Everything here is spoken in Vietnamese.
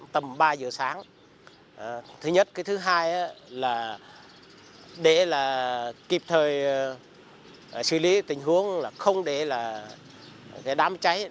tầm ba giờ sáng thứ nhất cái thứ hai là để là kịp thời xử lý tình huống là không để là cái đám cháy